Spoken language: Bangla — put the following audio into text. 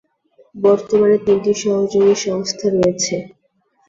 বর্তমানে তিনটি সহযোগী সংস্থা রয়েছে।